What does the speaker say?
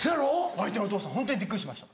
相手のお父さんホントにびっくりしてました。